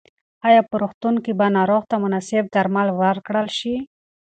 ایا په روغتون کې به ناروغ ته مناسب درمل ورکړل شي؟